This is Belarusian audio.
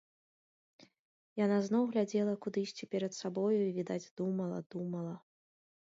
Яна зноў глядзела кудысьці перад сабою і, відаць, думала, думала.